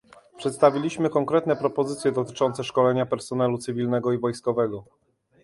Przedstawiliśmy konkretne propozycje dotyczące szkolenia personelu cywilnego i wojskowego